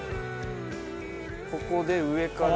ここで上から。